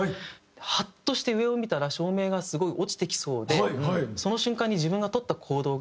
ハッとして上を見たら照明がすごい落ちてきそうでその瞬間に自分がとった行動が。